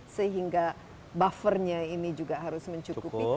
sehingga buffernya ini juga harus mencukupi